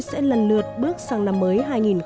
sẽ lần lượt bước sang năm mới hai nghìn một mươi tám